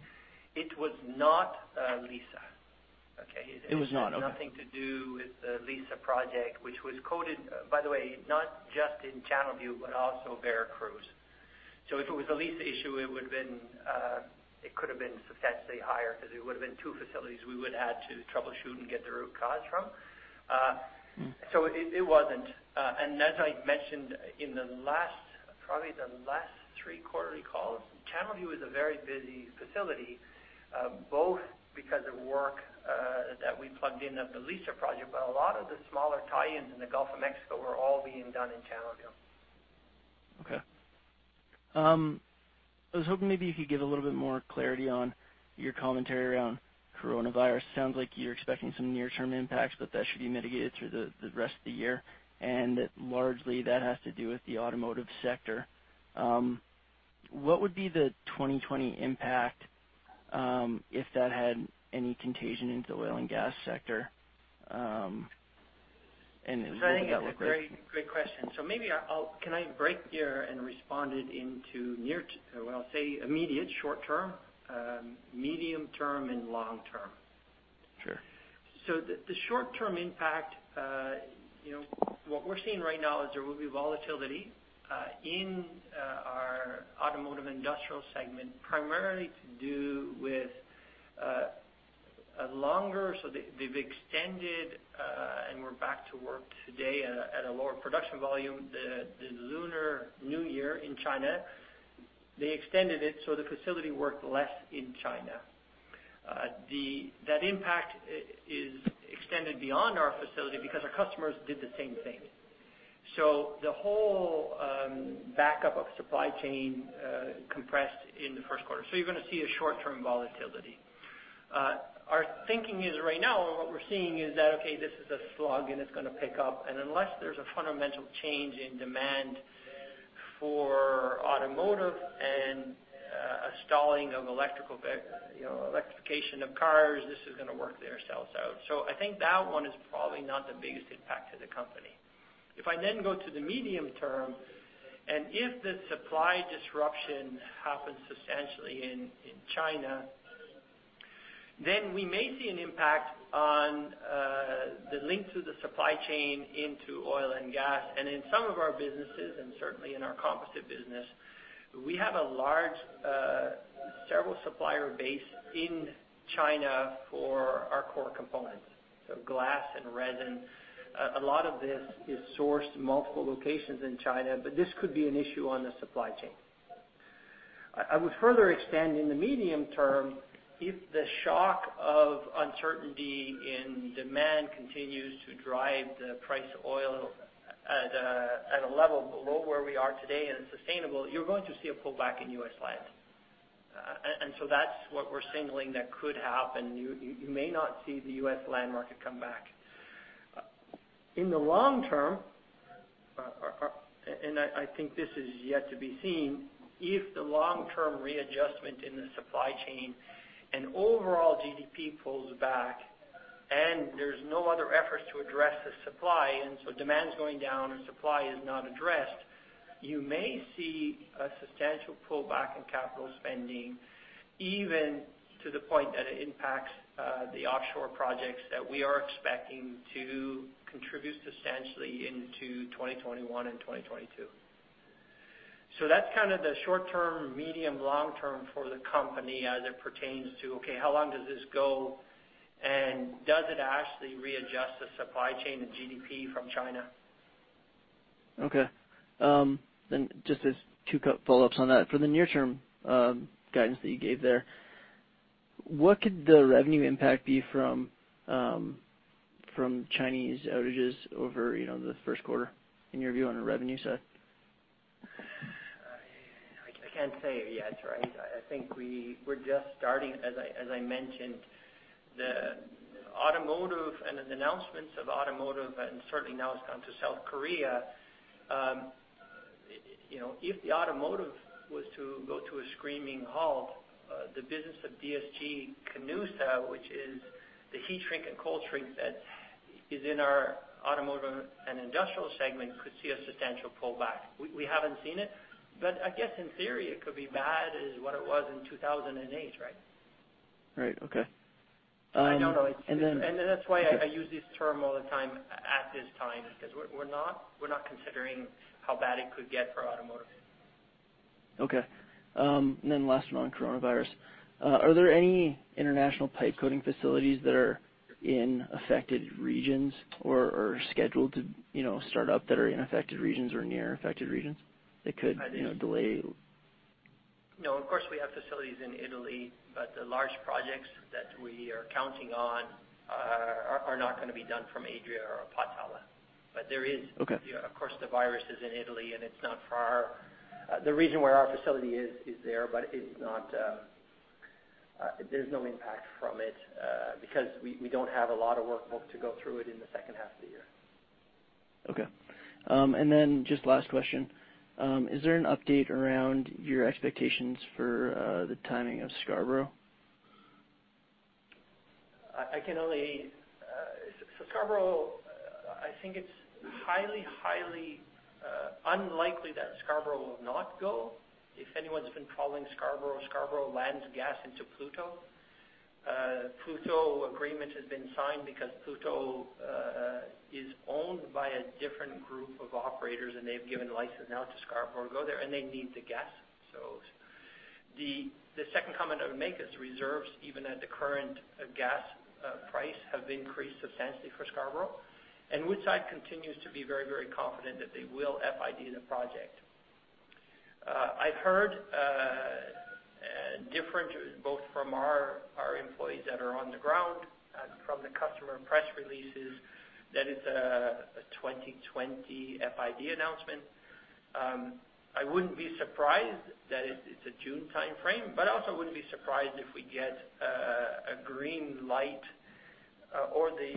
It was not Liza. Okay? It was not. Okay. It has nothing to do with the Liza project, which was coated, by the way, not just in Channelview, but also Veracruz. So if it was a Liza issue, it would have been it could have been substantially higher because it would have been two facilities we would have had to troubleshoot and get the root cause from. So it wasn't. And as I mentioned in the last probably the last three quarterly calls, Channelview is a very busy facility, both because of work that we plugged in at the Liza project, but a lot of the smaller tie-ins in the Gulf of Mexico were all being done in Channelview. Okay. I was hoping maybe you could give a little bit more clarity on your commentary around coronavirus. Sounds like you're expecting some near-term impacts, but that should be mitigated through the rest of the year, and largely that has to do with the automotive sector. What would be the 2020 impact if that had any contagion into the oil and gas sector? And is that what it looks like? I think that's a great question. Maybe can I break here and respond it into near, well, say immediate, short term, medium term, and long term? Sure. So the short-term impact, what we're seeing right now is there will be volatility in our automotive industrial segment, primarily to do with a longer so they've extended, and we're back to work today at a lower production volume, the Lunar New Year in China. They extended it, so the facility worked less in China. That impact is extended beyond our facility because our customers did the same thing. So the whole back up of supply chain compressed in the first quarter. So you're going to see a short-term volatility. Our thinking is right now, what we're seeing is that, okay, this is a slug, and it's going to pick up. And unless there's a fundamental change in demand for automotive and a stalling of electrification of cars, this is going to work itself out. So I think that one is probably not the biggest impact to the company. If I then go to the medium term, and if the supply disruption happens substantially in China, then we may see an impact on the link to the supply chain into oil and gas. In some of our businesses, and certainly in our composite business, we have a large several supplier base in China for our core components, so glass and resin. A lot of this is sourced multiple locations in China, but this could be an issue on the supply chain. I would further extend in the medium term, if the shock of uncertainty in demand continues to drive the price of oil at a level below where we are today and sustainable, you're going to see a pullback in U.S. land. That's what we're signaling that could happen. You may not see the U.S. land market come back. In the long term, and I think this is yet to be seen, if the long-term readjustment in the supply chain and overall GDP pulls back, and there's no other efforts to address the supply, and so demand's going down and supply is not addressed, you may see a substantial pullback in capital spending, even to the point that it impacts the offshore projects that we are expecting to contribute substantially into 2021 and 2022. So that's kind of the short-term, medium, long term for the company as it pertains to, okay, how long does this go, and does it actually readjust the supply chain and GDP from China? Okay. Then just as 2 follow-ups on that, for the near-term guidance that you gave there, what could the revenue impact be from Chinese outages over the first quarter in your view on a revenue set? I can't say yes, right? I think we're just starting, as I mentioned, the automotive and announcements of automotive, and certainly now it's gone to South Korea. If the automotive was to go to a screaming halt, the business of DSG-Canusa, which is the heat shrink and cold shrink that is in our automotive and industrial segment, could see a substantial pullback. We haven't seen it, but I guess in theory, it could be bad as what it was in 2008, right? Right. Okay. I don't know. Then that's why I use this term all the time at this time because we're not considering how bad it could get for automotive. Okay. And then last one on coronavirus. Are there any international pipe coating facilities that are in affected regions or scheduled to start up that are in affected regions or near affected regions that could delay? No. Of course, we have facilities in Italy, but the large projects that we are counting on are not going to be done from Adria or Pozzallo. But there is, of course, the virus. It's in Italy, and it's not far from the region where our facility is there, but there's no impact from it because we don't have a lot of workbook to go through it in the second half of the year. Okay. And then just last question, is there an update around your expectations for the timing of Scarborough? I can only say on Scarborough, I think it's highly, highly unlikely that Scarborough will not go. If anyone's been following Scarborough, Scarborough lands gas into Pluto. Pluto agreement has been signed because Pluto is owned by a different group of operators, and they've given license now to Scarborough to go there, and they need the gas. So the second comment I would make is reserves, even at the current gas price, have increased substantially for Scarborough, and Woodside continues to be very, very confident that they will FID the project. I've heard different, both from our employees that are on the ground and from the customer press releases, that it's a 2020 FID announcement. I wouldn't be surprised that it's a June time frame, but I also wouldn't be surprised if we get a green light or the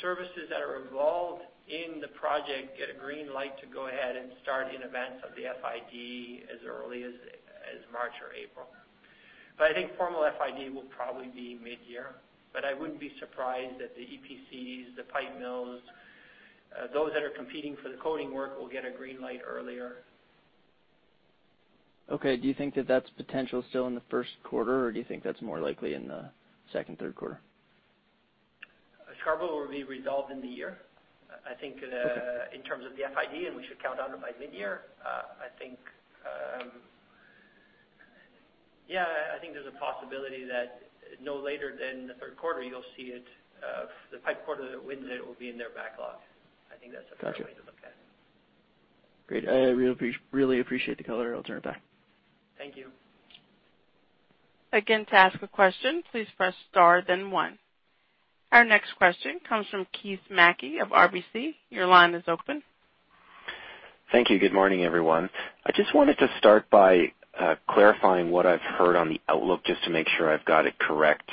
services that are involved in the project get a green light to go ahead and start in advance of the FID as early as March or April. But I think formal FID will probably be mid-year, but I wouldn't be surprised that the EPCs, the pipe mills, those that are competing for the coating work will get a green light earlier. Okay. Do you think that that's potential still in the first quarter, or do you think that's more likely in the second, third quarter? Scarborough will be resolved in the year. I think in terms of the FID, and we should count on it by mid-year. I think yeah, I think there's a possibility that no later than the third quarter, you'll see it. The pipe coating that wins it will be in their backlog. I think that's a fair way to look at it. Great. I really appreciate the color. I'll turn it back. Thank you. Again, to ask a question, please press star, then one. Our next question comes from Keith Mackey of RBC. Your line is open. Thank you. Good morning, everyone. I just wanted to start by clarifying what I've heard on the outlook just to make sure I've got it correct.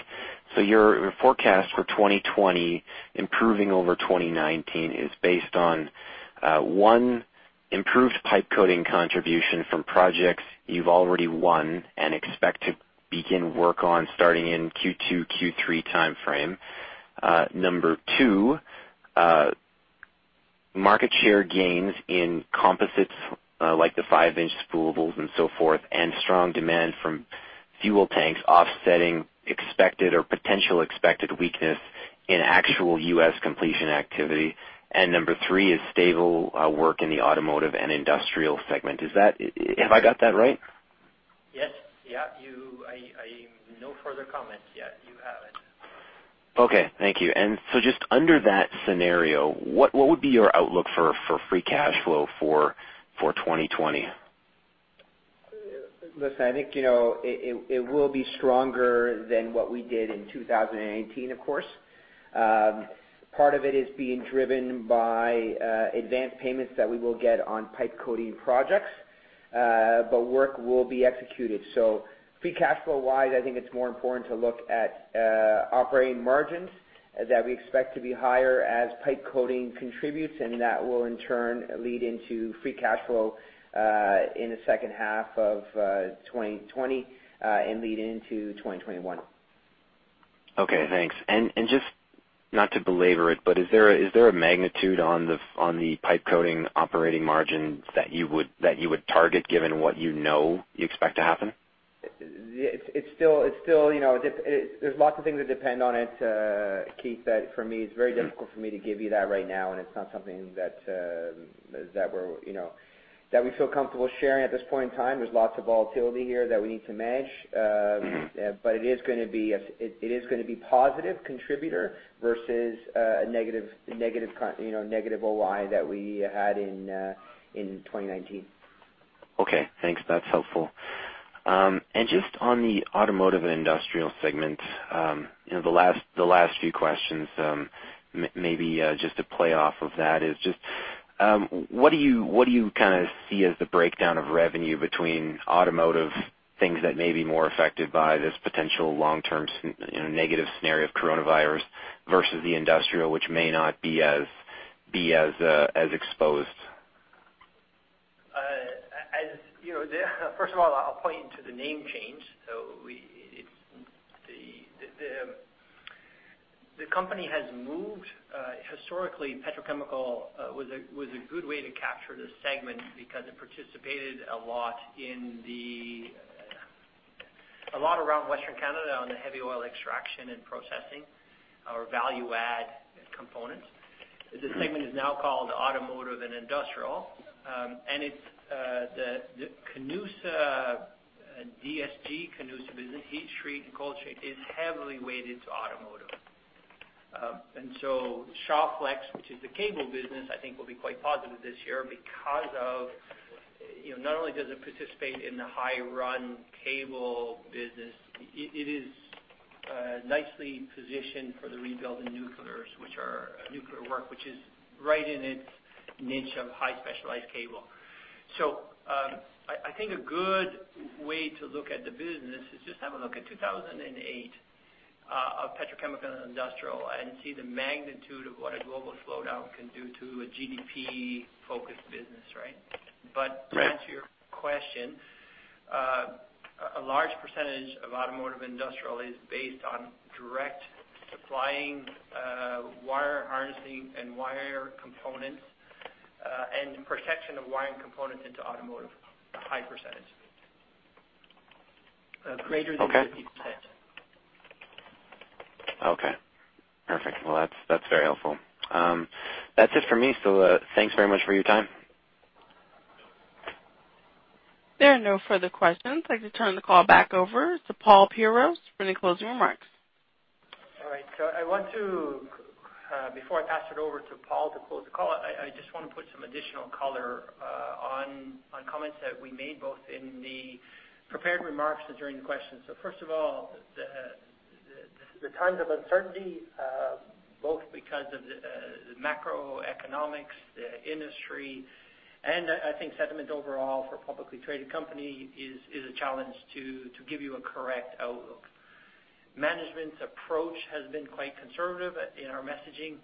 So your forecast for 2020 improving over 2019 is based on, 1, improved pipe coating contribution from projects you've already won and expect to begin work on starting in Q2, Q3 time frame. Number 2, market share gains in composites like the 5-inch spoolables and so forth, and strong demand from fuel tanks offsetting expected or potential expected weakness in actual U.S. completion activity. And number 3 is stable work in the automotive and industrial segment. Have I got that right? Yes. Yeah. I have no further comments. Yeah. You have it. Okay. Thank you. And so just under that scenario, what would be your outlook for free cash flow for 2020? Listen, I think it will be stronger than what we did in 2018, of course. Part of it is being driven by advanced payments that we will get on pipe coating projects, but work will be executed. So free cash flow-wise, I think it's more important to look at operating margins that we expect to be higher as pipe coating contributes, and that will in turn lead into free cash flow in the second half of 2020 and lead into 2021. Okay. Thanks. And just not to belabor it, but is there a magnitude on the pipe coating operating margins that you would target given what you know you expect to happen? It's still, there's lots of things that depend on it, Keith, that for me, it's very difficult for me to give you that right now, and it's not something that we feel comfortable sharing at this point in time. There's lots of volatility here that we need to manage, but it is going to be a positive contributor versus a negative OI that we had in 2019. Okay. Thanks. That's helpful. Just on the automotive and industrial segment, the last few questions, maybe just a play off of that is just what do you kind of see as the breakdown of revenue between automotive things that may be more affected by this potential long-term negative scenario of coronavirus versus the industrial, which may not be as exposed? First of all, I'll point to the name change. So the company has moved. Historically, petrochemical was a good way to capture the segment because it participated a lot in a lot around Western Canada on the heavy oil extraction and processing or value-add components. The segment is now called automotive and industrial, and the DSG-Canusa business, heat shrink and cold shrink, is heavily weighted to automotive. And so ShawFlex, which is the cable business, I think will be quite positive this year because of not only does it participate in the high-run cable business, it is nicely positioned for the rebuild and nuclear work, which is right in its niche of high-specialized cable. So I think a good way to look at the business is just have a look at 2008 of petrochemical and industrial and see the magnitude of what a global slowdown can do to a GDP-focused business, right? But to answer your question, a large percentage of automotive industrial is based on direct supplying wire harnessing and wire components and protection of wire and components into automotive, high percentage, greater than 50%. Okay. Perfect. Well, that's very helpful. That's it for me. So thanks very much for your time. There are no further questions. I'd like to turn the call back over to Paul Pierroz for any closing remarks. All right. So I want to before I pass it over to Paul to close the call, I just want to put some additional color on comments that we made both in the prepared remarks and during the questions. So first of all, the times of uncertainty, both because of the macroeconomics, the industry, and I think sentiment overall for a publicly traded company is a challenge to give you a correct outlook. Management's approach has been quite conservative in our messaging,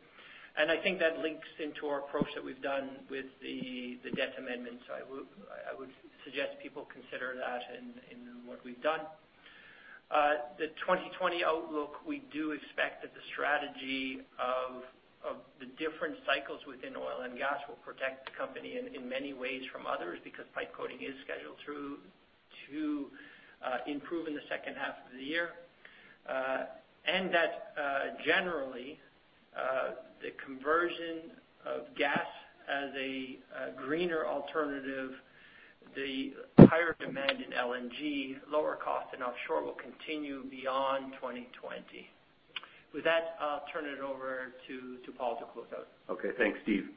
and I think that links into our approach that we've done with the debt amendment. So I would suggest people consider that in what we've done. The 2020 outlook, we do expect that the strategy of the different cycles within oil and gas will protect the company in many ways from others because pipe coating is scheduled to improve in the second half of the year. That generally, the conversion of gas as a greener alternative, the higher demand in LNG, lower cost in offshore will continue beyond 2020. With that, I'll turn it over to Paul to close out. Okay. Thanks, Steve.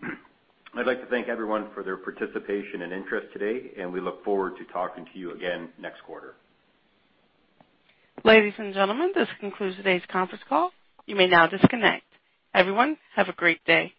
I'd like to thank everyone for their participation and interest today, and we look forward to talking to you again next quarter. Ladies and gentlemen, this concludes today's conference call. You may now disconnect. Everyone, have a great day.